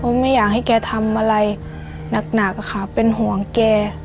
เพราะไม่อยากให้แกทำอะไรหนักค่ะเป็นห่วงแก